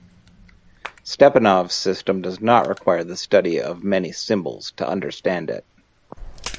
Stepanov's system does not require the study of many symbols to understand it.